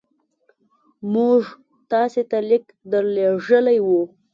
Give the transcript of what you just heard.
موږ تاسي ته لیک درلېږلی وو.